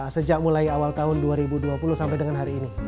sejak mulai awal tahun dua ribu dua puluh sampai dengan hari ini